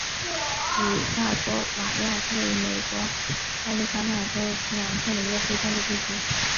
比亚托瓦亚是位于美国亚利桑那州皮马县的一个非建制地区。